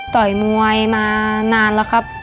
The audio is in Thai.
ต่อยมวยมานานแล้วครับ